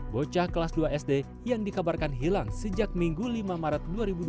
bocah kelas dua sd yang dikabarkan hilang sejak minggu lima maret dua ribu dua puluh